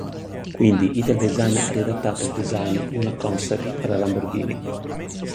Quindi Italdesign ha riadattato il design in una concept per la Lamborghini.